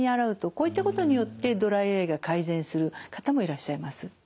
こういったことによってドライアイが改善する方もいらっしゃいます。